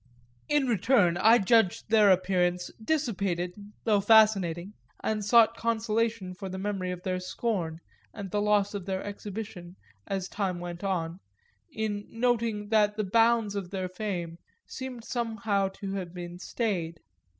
In return I judged their appearance dissipated though fascinating, and sought consolation for the memory of their scorn and the loss of their exhibition, as time went on, in noting that the bounds of their fame seemed somehow to have been stayed.